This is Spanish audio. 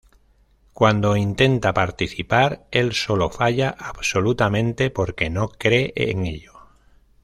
Cuando intenta participar, el solo falla absolutamente porque no cree en ello.